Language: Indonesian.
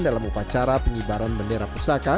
dalam upacara pengibaran bendera pusaka